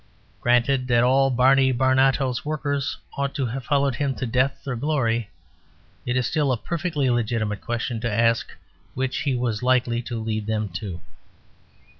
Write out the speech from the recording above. Granted that all Barney Barnato's workers ought to have followed him to death or glory, it is still a Perfectly legitimate question to ask which he was likely to lead them to.